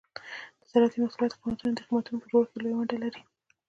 د زراعتي محصولاتو قیمتونه د قیمتونو په جوړښت کې لویه ونډه لري.